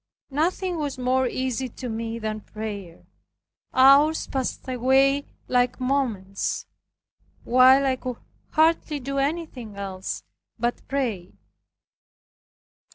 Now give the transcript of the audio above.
Nothing was more easy to me than prayer. Hours passed away like moments, while I could hardly do anything else but pray.